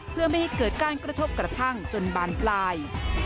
เพื่อไม่ให้เกิดการกระทบกระทั่งจนบานปลาย